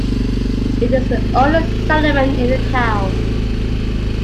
It is the only settlement in the town.